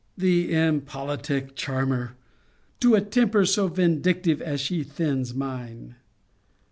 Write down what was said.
The impolitic charmer! To a temper so vindictive as she thins mine!